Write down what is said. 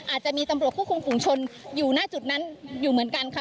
อาจจะมีตำรวจควบคุมฝุงชนอยู่หน้าจุดนั้นอยู่เหมือนกันค่ะ